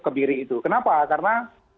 kebiri itu kenapa karena